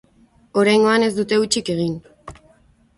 Oraingoan ez dute hutsik egin.